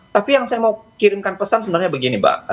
tapi yang saya mau kirimkan pesan sebenarnya begini mbak